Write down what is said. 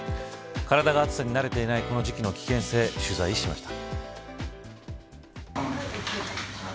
体が暑さに慣れていないこの時期の危険性取材しました。